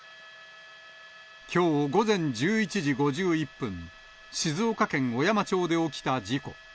きょう午前１１時５１分、静岡県小山町で起きた事故。